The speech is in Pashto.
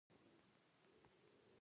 چې په تېرو دوو کلونو کې اضافه شوي وو.